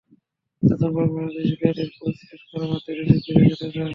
নতুন পরিকল্পনা অনুযায়ী শিক্ষার্থীদের কোর্স শেষ করা মাত্রই দেশে ফিরে যেতে হবে।